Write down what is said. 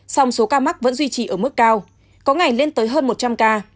song số ca mắc vẫn duy trì ở mức cao có ngày lên tới hơn một trăm linh ca